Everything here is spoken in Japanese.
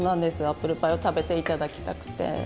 アップルパイを食べて頂きたくて。